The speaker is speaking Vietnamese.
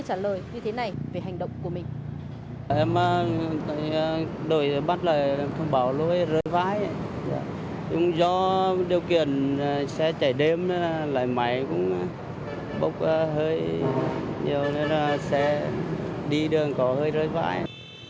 tài xế vẫn vô tư trả lời như thế này về hành động của mình